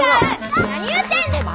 何言うてんねん！